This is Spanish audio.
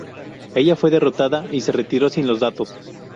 Ella fue derrotada y se retiró sin los datos.